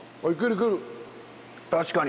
確かに。